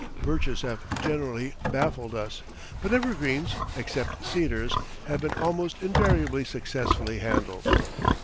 Birches have generally baffled us, but evergreens, except cedars, have been almost invariably successfully handled.